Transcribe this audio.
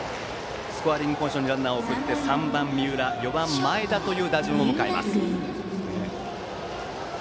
スコアリングポジションにランナーを送って３番、三浦、４番、前田という打順を迎えます。